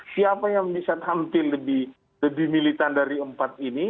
siapa yang bisa tampil lebih militan dari empat ini